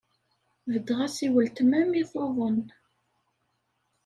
Beddeɣ-as i weltma mi tuḍen.